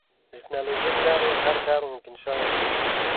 د ټکنالوجۍ له لارې هر کار ممکن شوی دی.